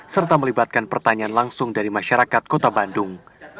serta melibatkan pertanyaan langsung dari masyarakat kota bandung